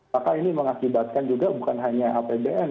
maka ini mengakibatkan juga bukan hanya apbn